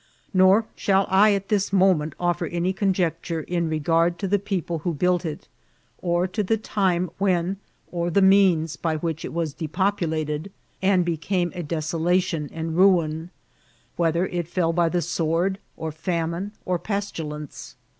Nor shall I at this moment offer any conjecture in re gard to the people who built it, or to the time when or the meims by which it was depopulated, and became a desolation and ruin ; whether it fell by the sword, or femine, or pestilenbe.